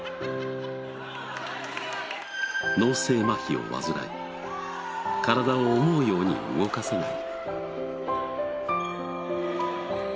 脳性麻痺を患い体を思うように動かせない。